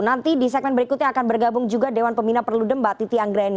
nanti di segmen berikutnya akan bergabung juga dewan pembina perludem mbak titi anggreni